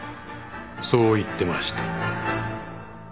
そう言ってました。